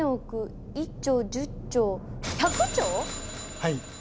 はい。